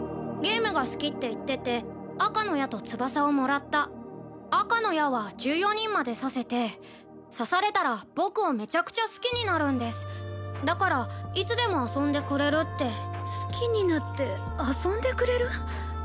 ゲームが好きって言ってて赤の矢と翼をもらった赤の矢は１４人まで刺せて刺されたら僕をめちゃくちゃ好きになるんですだからいつでも遊んでくれるって好きになって遊んでくれる？